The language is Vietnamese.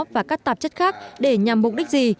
và các tạp chất khác để nhằm mục đích gì